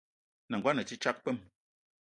N’nagono a te tsag kpwem.